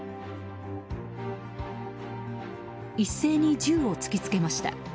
一斉に銃を突きつけました。